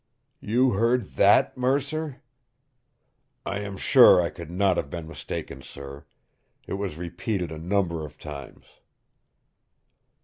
"You heard THAT, Mercer?" "I am sure I could not have been mistaken, sir. It was repeated a number of times."